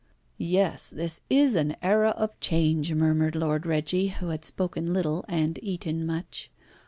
"Yes, this is an era of change," murmured Lord Reggie, who had spoken little and eaten much.